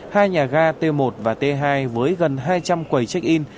hai nhà ga t một và t hai với gần hai trăm linh quầy check in